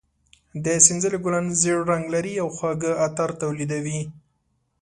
د سنځلې ګلان زېړ رنګ لري او خواږه عطر تولیدوي.